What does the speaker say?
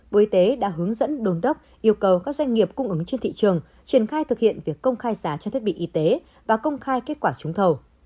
bộ y tế đã hướng dẫn đồn đốc yêu cầu các doanh nghiệp cung ứng trên thị trường triển khai thực hiện việc công khai giá trên thiết bị y tế và công khai kết quả trúng thầu